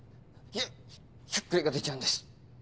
しゃっくりが出ちゃうんです。